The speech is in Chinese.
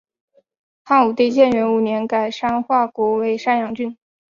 汉武帝建元五年改山划国为山阳郡。